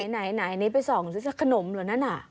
ไหนนี่ไปส่องซื้อซะขนมหรือคะนั่นน่ะ